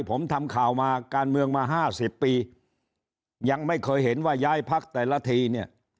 ผมทำข่าวมาการเมืองมาห้าสิบปียังไม่เคยเห็นว่าย้ายพักแต่ละทีเนี่ย